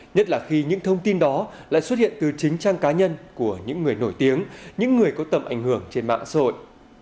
nhất là khi những thông tin đó lại xuất hiện từ chính trang cá nhân của những người nổi tiếng những người có tầm ảnh hưởng trên mạng xã hội